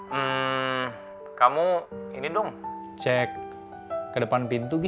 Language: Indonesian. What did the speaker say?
ehm kamu ini dong cek ke depan pintu gi